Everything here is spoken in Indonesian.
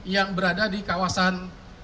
yang berada di kawasan